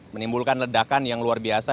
menimbulkan ledakan yang luar biasa